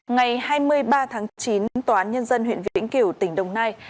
ngày hai mươi ba tháng chín tòa án nhân dân huyện vĩnh kiểu tỉnh đồng nai